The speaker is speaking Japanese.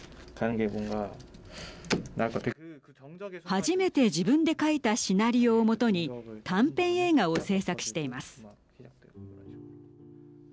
初めて自分で書いたシナリオをもとに短編映画を製作しています。